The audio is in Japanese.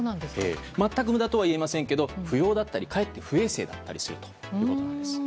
全く無駄とは言えませんけど不要だったりかえって不衛生だったりするということなんです。